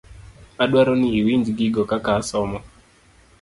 Adwaro ni iwinj gigo kaka asomo.